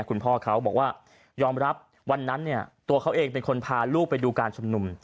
คุณพ่อเขาบอกว่ายอมรับวันนั้นเนี่ยตัวเขาเองเป็นคนพาลูกไปดูการชุมนุม